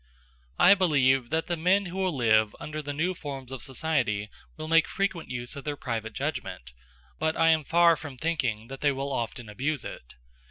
I believe that the men who will live under the new forms of society will make frequent use of their private judgment; but I am far from thinking that they will often abuse it.